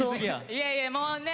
いやいやもうね